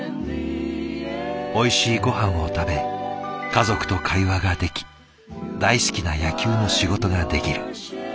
「おいしいごはんを食べ家族と会話ができ大好きな野球の仕事ができる。